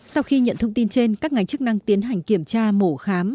sau khi nhận thông tin trên các ngành chức năng tiến hành kiểm tra mổ khám